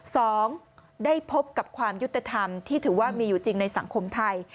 สองได้พบกับความยุติธรรมที่ถือว่ามีอยู่จริงในสังคมไทย